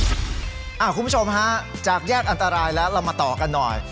คุณผู้ชมฮะจากแยกอันตรายแล้วเรามาต่อกันหน่อย